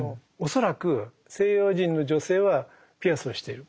恐らく西洋人の女性はピアスをしている。